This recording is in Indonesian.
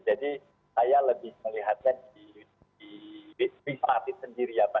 jadi saya lebih melihat kan di wisma atlet sendiri ya pak